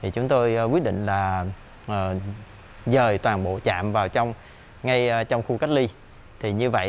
chúng tôi quyết định là dời toàn bộ trạm vào trong khu cách ly